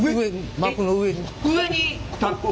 膜の上に。